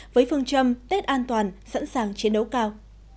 với phương châm tết an toàn sẵn sàng chiến đấu cao